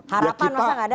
harapan masa tidak ada